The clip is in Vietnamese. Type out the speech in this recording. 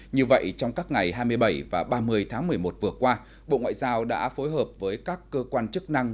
như vậy trong các ngày hai mươi bảy và ba mươi tháng một mươi một vừa qua bộ ngoại giao đã phối hợp với các cơ quan chức năng